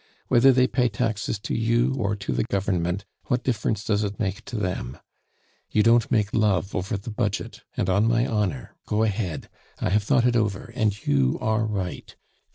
Whether they pay taxes to you or to the Government, what difference does it make to them? You don't make love over the budget, and on my honor! go ahead, I have thought it over, and you are right.